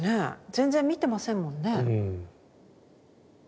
全然見てませんもんね。